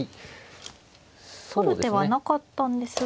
取る手はなかったんですが。